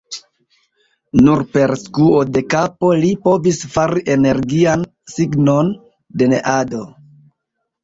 Nur per skuo de kapo li povis fari energian signon de neado.